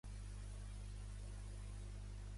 El pare del príncep blau és el Blu-Ray.